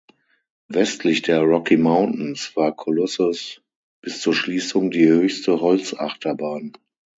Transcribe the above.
Westlich der Rocky Mountains war Colossus bis zur Schließung die höchste Holz-Achterbahn.